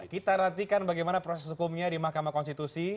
kita nantikan bagaimana proses hukumnya di mahkamah konstitusi